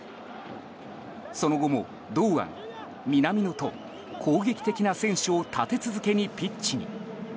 その後も堂安、南野と攻撃的な選手を立て続けにピッチに。